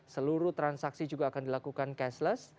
seluruh transaksi juga akan dilakukan cashless